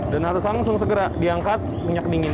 dan harus langsung segera diangkat minyak dingin